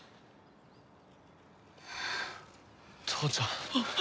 父ちゃん